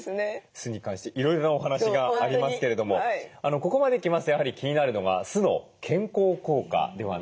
酢に関していろいろなお話がありますけれどもここまで来ますとやはり気になるのが酢の健康効果ではないでしょうか。